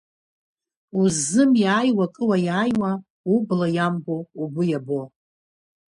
Уззымиааиуа акы уаиааиуа, убла иамбо угәы иабо.